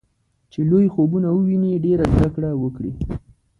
چې لوی خوبونه وويني ډېره زده کړه وکړي.